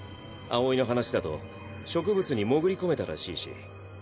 葵の話だと植物に潜り込めたらしいし。